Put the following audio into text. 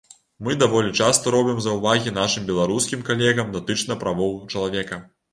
Мы даволі часта робім заўвагі нашым беларускім калегам датычна правоў чалавека.